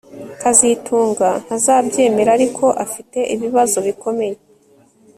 kazitunga ntazabyemera ariko afite ibibazo bikomeye